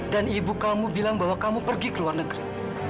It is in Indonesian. dan ibu kamu bilang bahwa kamu pergi ke luar negeri